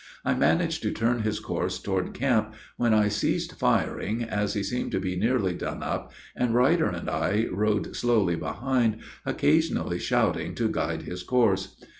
I managed to turn his course toward camp, when I ceased firing, as he seemed to be nearly done up, and Ruyter and I rode slowly behind, occasionally shouting to guide his course.